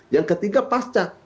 yang ketiga pasca